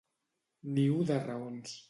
Niu de raons.